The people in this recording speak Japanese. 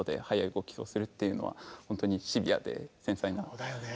そうだよね。